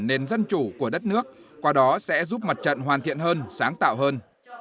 nền dân chủ của đất nước qua đó sẽ giúp mặt trận hoàn thiện hơn sáng tạo hơn